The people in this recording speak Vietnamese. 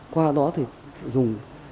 qua đó thì dùng